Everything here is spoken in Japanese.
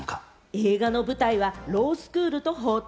映画の舞台はロースクールと法廷。